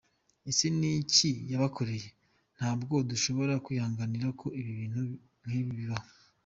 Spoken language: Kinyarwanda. Ese n’iki yabakoreye? Ntabwo dushobora kwihanganira ko ibintu nk’ibi bibaho.